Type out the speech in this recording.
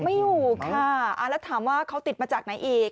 ไม่อยู่ค่ะแล้วถามว่าเขาติดมาจากไหนอีก